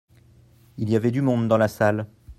il y avait du monde dans la salle.